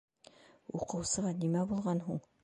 Уҡыусыға нимә булған һуң?